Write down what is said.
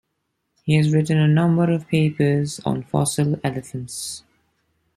He has written a number of papers on fossil elephants.